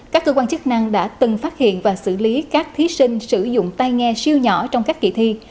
các cơ quan chức năng đã từng phát hiện và xử lý các thí sinh sử dụng tay nghe siêu nhỏ trong các kỳ thi